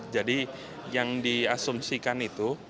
jadi yang diasumsikan itu